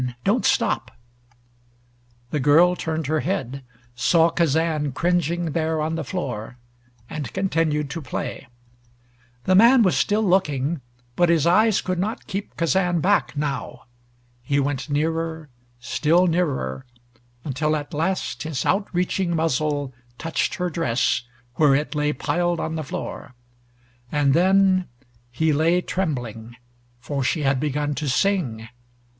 Don't stop!" The girl turned her head, saw Kazan cringing there on the floor, and continued to play. The man was still looking, but his eyes could not keep Kazan back now. He went nearer, still nearer, until at last his outreaching muzzle touched her dress where it lay piled on the floor. And then he lay trembling, for she had begun to sing.